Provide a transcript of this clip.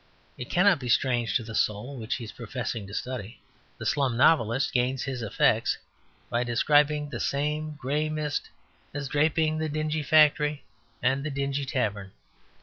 It cannot be strange to the soul which he is professing to study. The slum novelist gains his effects by describing the same grey mist as draping the dingy factory and the dingy tavern.